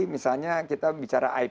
misalnya kita bicara ip